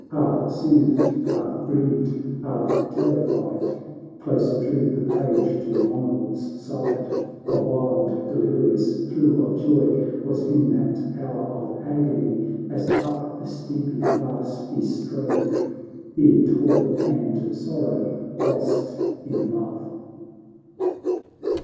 Half soothed, half grieved, half terrified, Close drew the page to Bonald's side ; A wild delirious thrill of joy Was in that hour of agony, Asup the steepy pass he strove, Fear, toil, and sorrow, lost in love